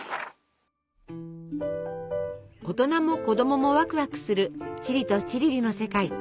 大人も子供もワクワクするチリとチリリの世界。